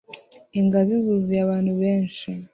Ingazi zuzuye abantu benshi